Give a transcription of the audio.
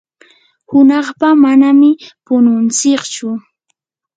hunaqpa manami pununtsichu.